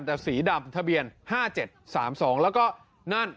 แต่สีดำทะเบียนห้าเจ็ดสามสองแล้วก็นั่น